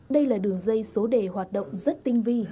đây là đường dây số đề hoạt động rất tinh vi